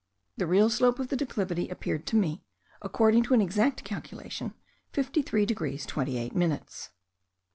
The real slope of the declivity appeared to me, according to an exact calculation, 53 degrees 28 minutes.